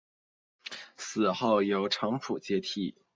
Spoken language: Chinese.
死后由程普接替。